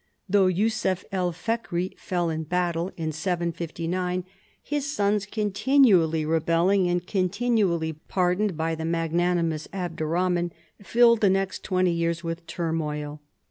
Though Yussuf el Fekri fell in battle (Y59), his sons, con tinually rebelling and continually pardoned by the magnanimous Abderrahman, filled the next twenty years with turmoil.